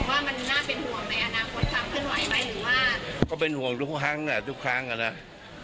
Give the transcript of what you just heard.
ทำไมว่าเขาก็ปักไปแล้วถ้าเขาแล้วจะเอาอะไร